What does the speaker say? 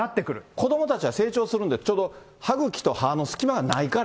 子どもたちは成長するんで、ちょうど歯ぐきと歯の隙間がないから。